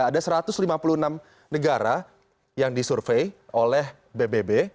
ada satu ratus lima puluh enam negara yang disurvey oleh bbb